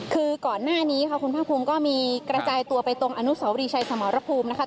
คือก่อนหน้านี้ค่ะคุณภาคภูมิก็มีกระจายตัวไปตรงอนุสาวรีชัยสมรภูมินะคะ